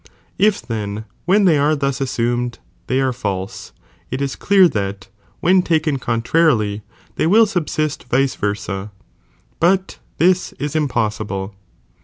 J If then, wheikthey are thus assumed, they are false, it is cleat that, when taken conlrarily. they will subsist vice veraii, but this is impossible.'